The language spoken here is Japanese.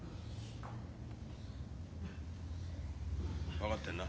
分かってんな？